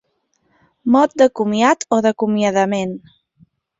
Mot de comiat o d'acomiadament.